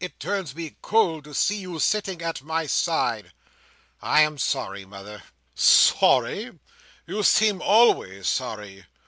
It turns me cold to see you sitting at my side." "I am sorry, mother." "Sorry! You seem always sorry.